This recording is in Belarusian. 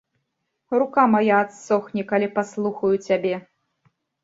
Рука мая адсохне, калі паслухаю цябе!